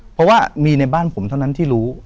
เพราะว่ามีในบ้านผมเท่านั้นที่รู้